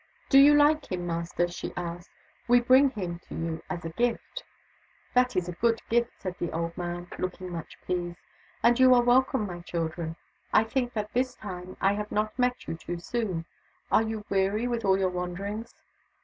" Do you hke him, Master ?" she asked, " We bring him to you as a gift." " That is a good gift," said the old man, looking much pleased. '' And you are welcome, my children. I think that this time I have not met you too soon. Are you weary with all your wanderings